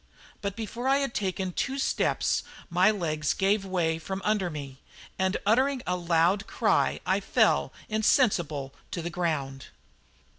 But before I had taken two steps my legs gave way from under me, and uttering a loud cry I fell insensible to the ground.